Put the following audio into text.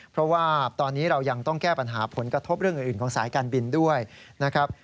เพราะว่าตอนนี้เรายังต้องแก้ปัญหาผลกระทบเรื่องอื่นของสายการบินด้วยนะครับ